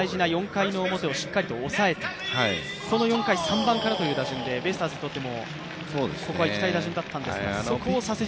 ４回表をしっかりと抑えてその４回、３番からという打順で、ベイスターズにとってもいきたい打順だったんですか？